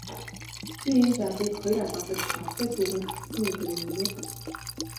Чи энэ жаалыг хоёр алгадаж лонхтой сүүг нь хагалсан гэдэг үнэн үү?